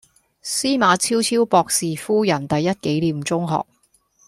司馬昭昭博士夫人第一紀念中學